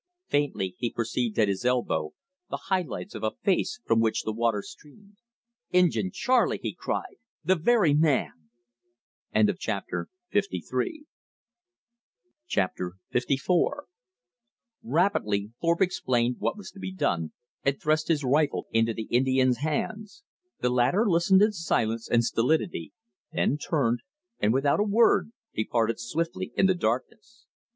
Faintly he perceived at his elbow the high lights of a face from which the water streamed. "Injin Charley!" he cried, "the very man!" Chapter LIV Rapidly Thorpe explained what was to be done, and thrust his rifle into the Indian's hands. The latter listened in silence and stolidity, then turned, and without a word departed swiftly in the darkness.